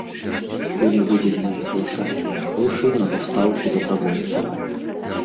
Былі выдзеленыя каласальныя грошы на дастаўку дабравольцаў.